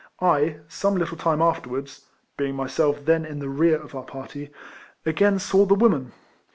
I, some little time after wards (being myself then in the rear of our party), again saw the woman.